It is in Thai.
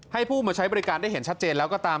ให้ผู้มาใช้บริการได้เห็นชัดเจนแล้วก็ตาม